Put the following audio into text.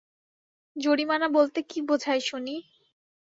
জরিমানা বলতে কী বোঝায় শুনি।